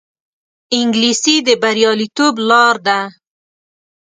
انګلیسي د بریالیتوب لار ده